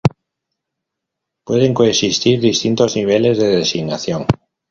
Pueden coexistir distintos niveles de designación.